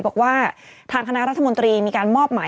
บอกว่าทางคณะรัฐมนตรีมีการมอบหมาย